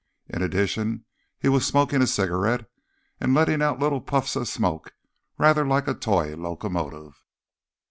In addition, he was smoking a cigarette and letting out little puffs of smoke, rather like a toy locomotive.